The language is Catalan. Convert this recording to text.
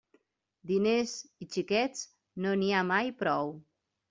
Diners i xiquets, no n'hi ha mai prou.